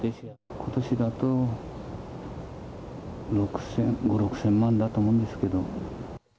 ことしだと５、６０００万だと思うんですけど。